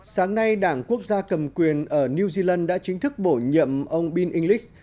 sáng nay đảng quốc gia cầm quyền ở new zealand đã chính thức bổ nhậm ông bill english